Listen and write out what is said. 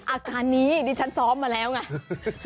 อาการนี้ดิฉันซ้อมมาแล้วไง